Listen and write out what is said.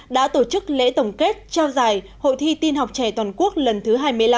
đã tổ chức lễ tổng kết trao giải hội thi tiên học trẻ toàn quốc lần thứ hai mươi năm